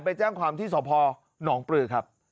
ไปแจ้งความที่สพหนองปลือครับ